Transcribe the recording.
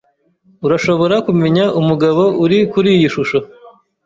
Urashobora kumenya umugabo uri kuri iyi shusho?